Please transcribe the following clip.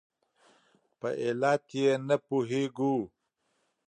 په علت یې نه پوهېږو.